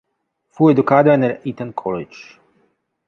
Fue educada en el Eton College.